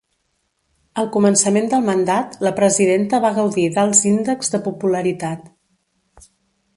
Al començament del mandat, la presidenta va gaudir d’alts índexs de popularitat.